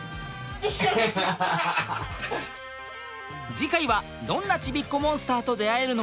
次回はどんなちびっこモンスターと出会えるのか？